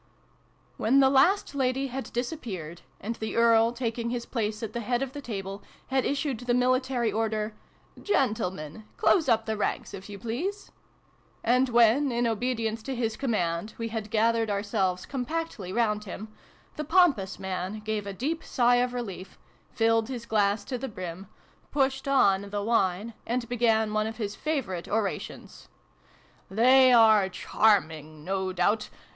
WHEN the last lady had disappeared, and the Earl, taking his place at the head of the table, had issued the military order " Gentle men ! Close up the ranks, if you please !", and when, in obedience to his command, we had gathered ourselves compactly round him, the pompous man gave a deep sigh of relief, filled his glass to the brim, pushed on the wine, and began one of his favorite orations. " They are charming, no doubt